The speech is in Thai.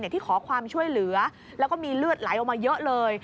ที่ขอความช่วยเหลือแล้วก็มีเลือดไหลออกมาเยอะเลย